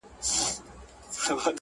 هم په اور هم په اوبو کي دي ساتمه!.